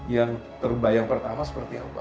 yang terbayang pertama seperti apa